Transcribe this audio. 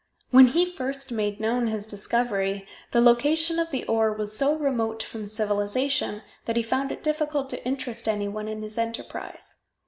When he first made known his discovery, the location of the ore was so remote from civilization that he found it difficult to interest any one in his enterprise.